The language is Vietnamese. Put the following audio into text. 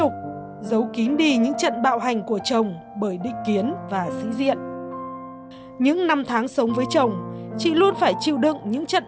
còn chồng chị cũng là một người có vị trí học tập